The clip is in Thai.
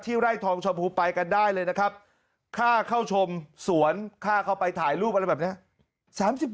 ไร่ทองชมพูไปกันได้เลยนะครับค่าเข้าชมสวนค่าเข้าไปถ่ายรูปอะไรแบบนี้